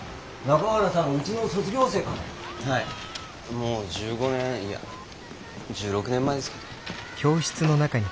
もう１５年いや１６年前ですけど。